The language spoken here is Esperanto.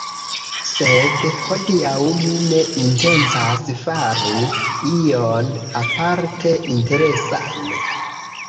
Sed, hodiaŭ mi ne intencas fari ion aparte interesan